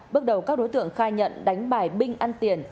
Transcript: bước đầu các đối tượng khai nhận đánh bài binh ăn tiền